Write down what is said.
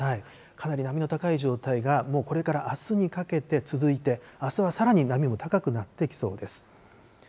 かなり波の高い状態が、もうこれからあすにかけて続いて、あすはさらに波も高くなってきそうです。